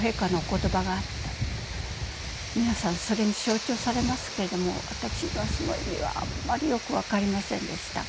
皆さんそれに象徴されますけれども私にはその意味はあんまりよく分かりませんでした。